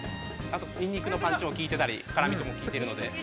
◆ニンニクのパンチもきいてたり辛みもきいてるので。